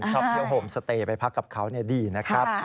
เที่ยวโฮมสเตย์ไปพักกับเขาดีนะครับ